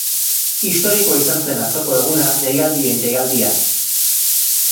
Historikoa izan zen atzoko eguna jaialdien jaialdian.